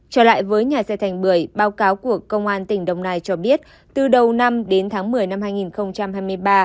trở lại với nhà xe thành bưởi báo cáo của công an tỉnh đồng nai cho biết từ đầu năm đến tháng một mươi năm hai nghìn hai mươi ba